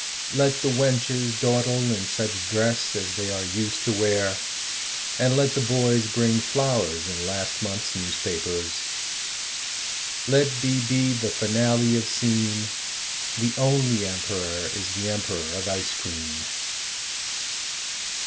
Let the wenches dawdle in such dress As they are used to wear, and let the boys Bring flowers in last month's newspapers. Let be be the finale of seem. The only emperor is the emperor of ice cream.